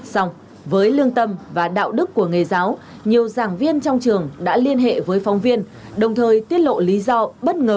xong với lương tâm và đạo đức của nghề giáo nhiều giảng viên trong trường đã liên hệ với phóng viên đồng thời tiết lộ lý do bất ngờ